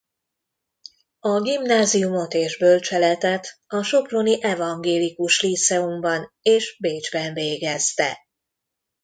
A gimnáziumot és bölcseletet a soproni evangélikus líceumban és Bécsben végezte.